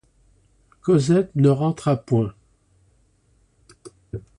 Cosette ne rentra point.